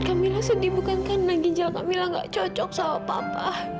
kamilah sedih bukan karena ginjal kamila gak cocok sama papa